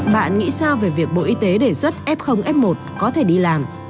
bạn nghĩ sao về việc bộ y tế đề xuất f f một có thể đi làm